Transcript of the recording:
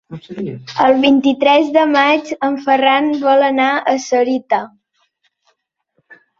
El vint-i-tres de maig en Ferran vol anar a Sorita.